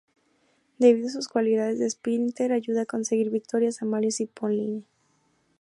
Debido a sus cualidades de esprínter, ayuda a conseguir victorias a Mario Cipollini.